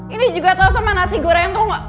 ini juga tau sama nasi goreng tuh